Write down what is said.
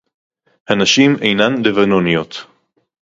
הַנָּשִׁים אֵינָן לְבָנוֹנִיּוֹת.